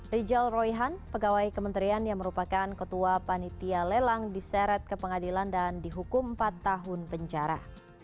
rijal royhan pegawai kementerian yang merupakan ketua panitia lelang diseret ke pengadilan dan dihukum empat tahun penjara